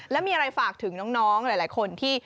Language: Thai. แล้วมีอะไรฝากถึงน้องหลายคนที่